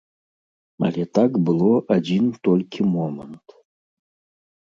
Але так было адзін толькі момант.